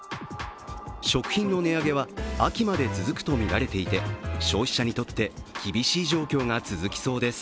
食品の値上げは秋まで続くとみられていて、消費者にとって厳しい状況が続きそうです。